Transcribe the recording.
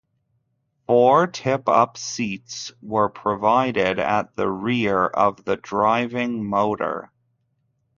Four tip-up seats were provided at the rear of the driving motor.